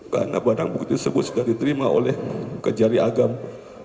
karena barang bukti tersebut sudah diterima oleh kejari agama